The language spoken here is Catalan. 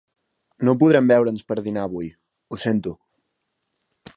No podrem veure'ns per dinar avui, ho sento!